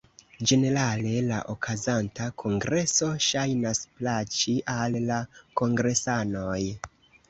Ĝenerale la okazanta kongreso ŝajnas plaĉi al la kongresanoj.